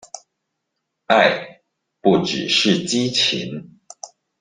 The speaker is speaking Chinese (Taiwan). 愛不只是激情